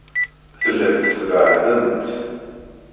Tellamt tbeɛɛdemt.